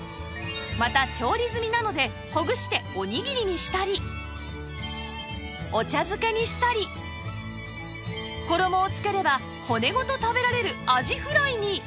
また調理済みなのでほぐしておにぎりにしたりお茶漬けにしたり衣をつければ骨ごと食べられるあじフライに